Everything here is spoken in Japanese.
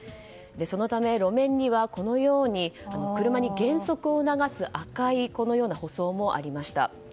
そのため、路面には車に減速を促す赤い舗装もありました。